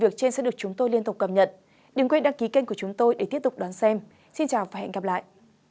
cảm ơn các bạn đã theo dõi và hẹn gặp lại